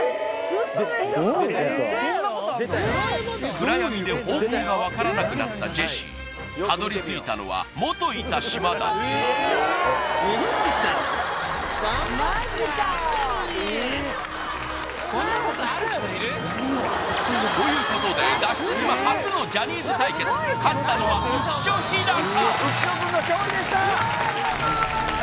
暗闇で方向が分からなくなったジェシーたどり着いたのは元いた島だったということで脱出島初のジャニーズ対決勝ったのは浮所飛貴浮所くんの勝利でしたありがとうございます